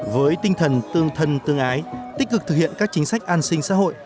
với tinh thần tương thân tương ái tích cực thực hiện các chính sách an sinh xã hội